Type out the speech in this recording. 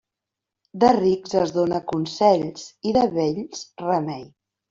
De rics es dóna consells i de vells remei.